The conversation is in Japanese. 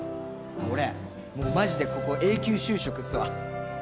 俺マジでここ永久就職っすわ。